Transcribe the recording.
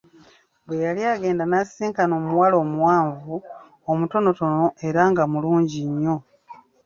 Bwe yali agenda n'asisinkana omuwala omuwanvu, omutonotono era nga mulungi nnyo.